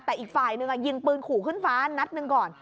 แต่อีกฝ่ายหนึ่งยิงปืนขู่ขึ้นฟ้านัดหนึ่งก่อน